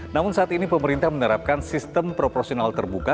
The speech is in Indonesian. namun saat ini pemerintah menerapkan sistem proporsional terbuka